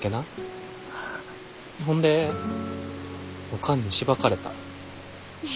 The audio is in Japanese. ほんでおかんにしばかれた。